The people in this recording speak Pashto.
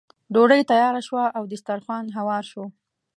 ډوډۍ تیاره شوه او دسترخوان هوار شو.